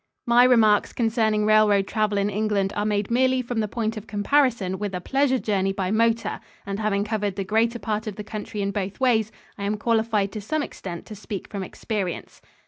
My remarks concerning railroad travel in England are made merely from the point of comparison with a pleasure journey by motor, and having covered the greater part of the country in both ways, I am qualified to some extent to speak from experience.